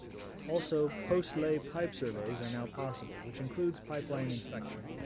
Also, post-lay pipe surveys are now possible, which includes pipeline inspection.